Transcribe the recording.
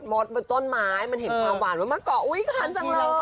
มดบนต้นไม้มันเห็นความหวานว่ามะเกาะอุ๊ยคันจังเลย